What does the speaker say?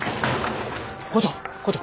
校長校長。